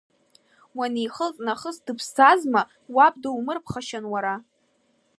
Уанихылҵ нахыс дыԥсӡазма, уаб думырԥхашьан уара?!